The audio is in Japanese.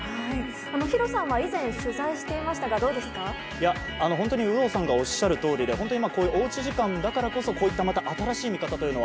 弘さんは以前、取材していましたが本当に有働さんがおっしゃるとおりでおうち時間だからこそ新しい見方が。